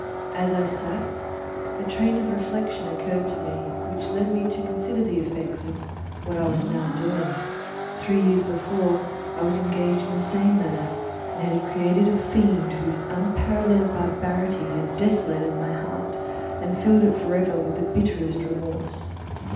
As I sat, a train of reflection occurred to me which led me to consider the effects of what I was now doing. Three years before, I was engaged in the same manner and had created a fiend whose unparalleled barbarity had desolated my heart and filled it for ever with the bitterest remorse.